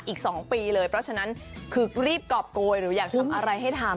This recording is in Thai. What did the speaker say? อีก๒ปีเลยเพราะฉะนั้นคือรีบกรอบโกยหรืออยากทำอะไรให้ทำ